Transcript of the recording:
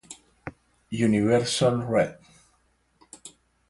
Universelle Rev.